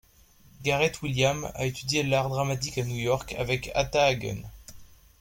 Gareth Williams a étudié l'art dramatique à New York avec Uta Hagen.